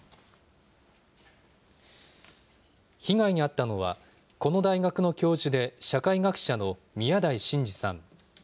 被害に遭ったのは、この大学の教授で社会学者の宮台真司さん。